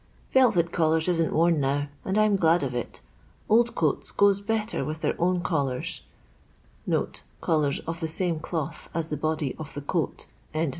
Velvet collars isn't worn now, and I 'm glad of it. Old coats goes better with their own collars (collars of the same cloth as the body of the coat).